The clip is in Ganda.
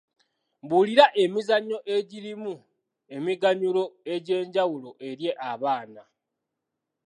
Mbuulira emizannyo egirimu emiganyulo egy'enjawulo eri abaana?